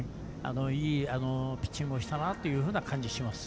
いいピッチングをしたなというふうな感じがします。